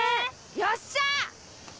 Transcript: よっしゃ！